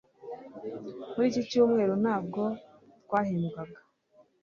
Muri iki cyumweru ntabwo twahembwaga